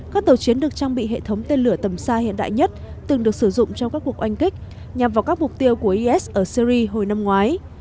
các tàu chiến được trang bị hệ thống tên lửa tầm xa hiện đại nhất từng được sử dụng trong các cuộc oanh kích nhằm vào các mục tiêu của is ở syri hồi năm ngoái